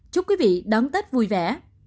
chúc quý vị đón tết vui vẻ